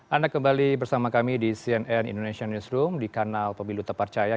anda kembali bersama kami di cnn indonesian newsroom di kanal pemilu tepat cahaya